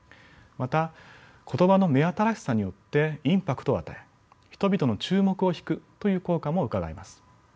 また言葉の目新しさによってインパクトを与え人々の注目を引くという効果もうかがえます。